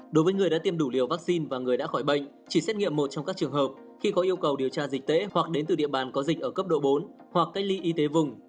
đối với người đã tiêm đủ liều vaccine và người đã khỏi bệnh chỉ xét nghiệm một trong các trường hợp khi có yêu cầu điều tra dịch tễ hoặc đến từ địa bàn có dịch ở cấp độ bốn hoặc cách ly y tế vùng